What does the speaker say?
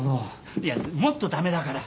いやもっと駄目だから。